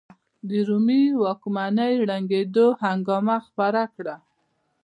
د رومي واکمنۍ ړنګېدو هنګامه خپره کړه.